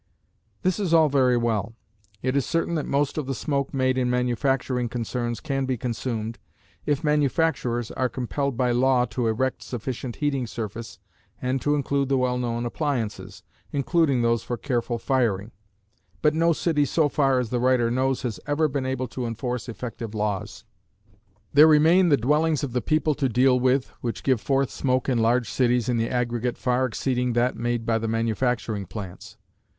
This is all very well. It is certain that most of the smoke made in manufacturing concerns can be consumed, if manufacturers are compelled by law to erect sufficient heating surface and to include the well known appliances, including those for careful firing, but no city so far as the writer knows has ever been able to enforce effective laws. There remain the dwellings of the people to deal with, which give forth smoke in large cities in the aggregate far exceeding that made by the manufacturing plants.